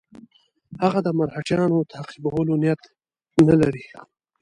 هغه د مرهټیانو تعقیبولو نیت نه لري.